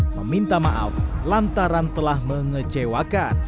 meminta maaf lantaran telah mengecewakan